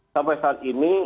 sampai saat ini